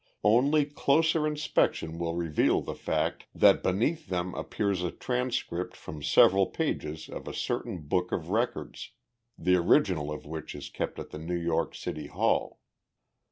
Only closer inspection will reveal the fact that beneath them appears a transcript from several pages of a certain book of records the original of which is kept at the New York City Hall.